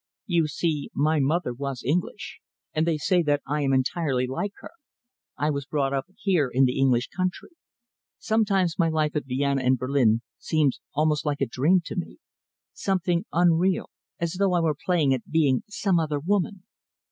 "You see, my mother was English, and they say that I am entirely like her. I was brought up here in the English country. Sometimes my life at Vienna and Berlin seems almost like a dream to me, something unreal, as though I were playing at being some other woman.